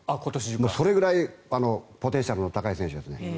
それぐらいポテンシャルの高い選手ですね。